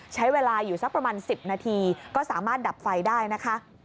ใช้เวลาอยู่สักประมาณ๑๐นาทีก็สามารถดับไฟได้นะคะ